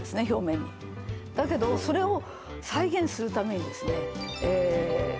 表面にだけどそれを再現するためにですねえ